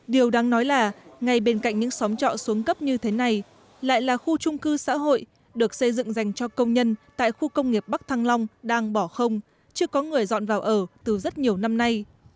điều đáng nói là ngay bên cạnh những xóm trọ xuống cấp như thế này lại là khu trung cư xã hội được xây dựng dành cho công nhân tại khu công nghiệp bắc thăng long đang bỏ không chưa có người dọn vào ở từ rất nhiều năm nay